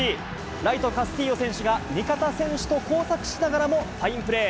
ライト、カスティーヨ選手が味方選手と交錯しながらもファインプレー。